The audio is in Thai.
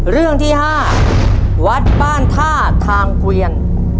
เรื่องที่๕วัดบ้านท่าทางเกวียน